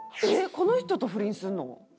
この人と不倫するの？